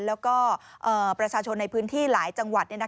แล้วก็ประชาชนในพื้นที่หลายจังหวัด